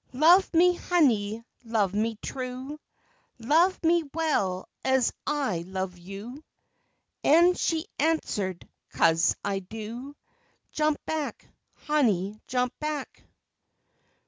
Love me, honey, love me true? Love me well ez I love you? An' she answe'd, "Cose I do" Jump back, honey, jump back.